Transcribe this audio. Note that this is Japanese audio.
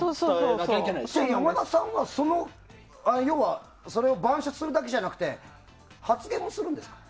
山田さんはそれを板書するだけじゃなくて発言もするんですか？